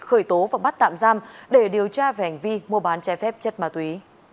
khởi tố và bắt tạm giam để điều tra về hành vi mua bán trái phép chất ma túy